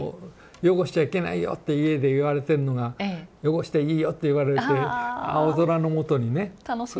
「汚しちゃいけないよ」って家で言われてんのが「汚していいよ」って言われて青空のもとにね。楽しいです。